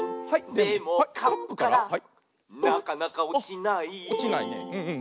「でもカップからなかなかおちない」